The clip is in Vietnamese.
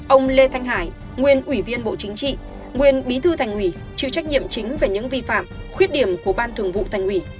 ông lê thanh hải nguyên ủy viên bộ chính trị nguyên bí thư thành ủy chịu trách nhiệm chính về những vi phạm khuyết điểm của ban thường vụ thành ủy